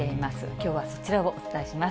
きょうはそちらをお伝えします。